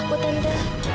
itu foto ibu aku tante